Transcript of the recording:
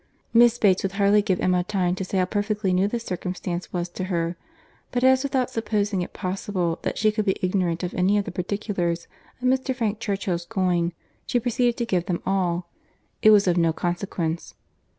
Miss Bates would hardly give Emma time to say how perfectly new this circumstance was to her; but as without supposing it possible that she could be ignorant of any of the particulars of Mr. Frank Churchill's going, she proceeded to give them all, it was of no consequence.